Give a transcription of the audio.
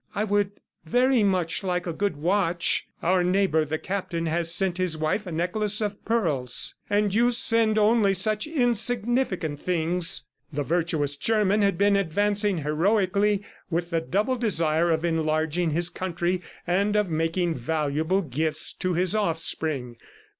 .. "I would very much like a good watch." ... "Our neighbor, the Captain, has sent his wife a necklace of pearls. ... And you send only such insignificant things!" The virtuous German had been advancing heroically with the double desire of enlarging his country and of making valuable gifts to his offspring.